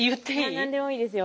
何でもいいですよ。